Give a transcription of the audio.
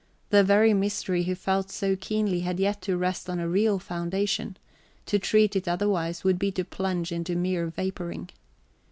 The very mystery he felt so keenly had yet to rest on a real foundation; to treat it otherwise would be to plunge into mere vapouring.